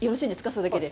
それだけで。